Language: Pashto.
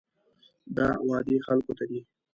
دا وعدې خلکو ته دي.